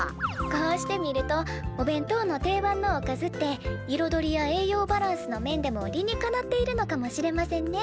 こうしてみるとお弁当の定番のおかずっていろどりや栄養バランスの面でも理にかなっているのかもしれませんね。